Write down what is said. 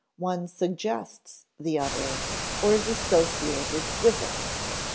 One suggests the other, or is associated with it.